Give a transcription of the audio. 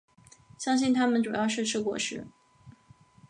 相信它们主要是吃果实。